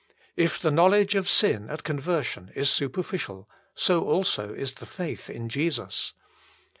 If the knowledge of sin at conversion is superficial, so also is the faith in Jesus.